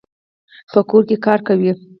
په کور کي کار کوي.